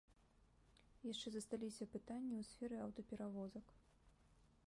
Яшчэ засталіся пытанні ў сферы аўтаперавозак.